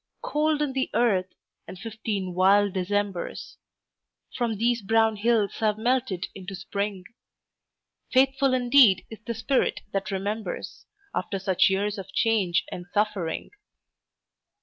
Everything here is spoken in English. Cold in the earth, and fifteen wild Decembers From these brown hills have melted into Spring. Faithful indeed is the spirit that remembers After such years of change and suffering!